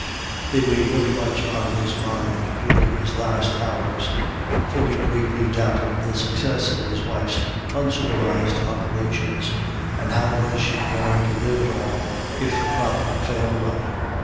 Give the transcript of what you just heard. They weighed very much on his mind during his last hours, for he gravely doubted the success of his wife's unsupervised operations, and how was she going to live at all if the crop failed on her